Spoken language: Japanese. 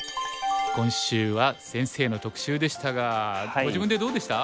今週は先生の特集でしたがご自分でどうでした？